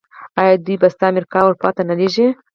آیا دوی پسته امریکا او اروپا ته نه لیږي؟